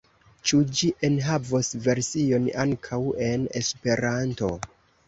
Ĉu ĝi enhavos version ankaŭ en Esperanto?